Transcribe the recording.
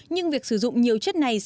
nhưng việc sử dụng nhiều chất này